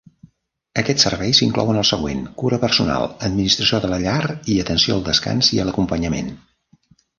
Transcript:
Aquests serveis inclouen el següent: cura personal, administració de la llar i atenció al descans i a l'acompanyament.